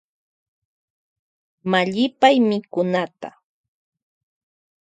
Mallypay mikunata.